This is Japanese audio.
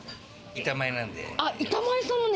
板前なんで。